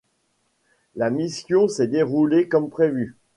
La mission s'est déroulée comme prévu.